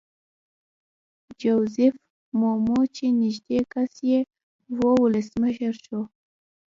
جوزیف مومو چې نږدې کس یې وو ولسمشر شو.